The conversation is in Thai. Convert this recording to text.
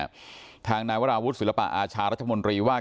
ก็เลยยิงสวนไปแล้วถูกเจ้าหน้าที่เสียชีวิต